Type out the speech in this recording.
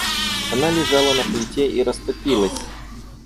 Она лежала на плите и растопилась.